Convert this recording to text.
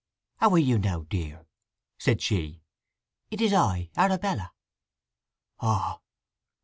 "How are you now, dear?" said she. "It is I—Arabella." "Ah!